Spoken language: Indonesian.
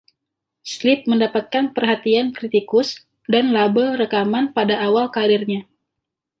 Sleep mendapatkan perhatian kritikus dan label rekaman pada awal kariernya.